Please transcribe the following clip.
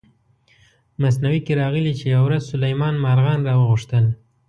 مثنوي کې راغلي چې یوه ورځ سلیمان مارغان را وغوښتل.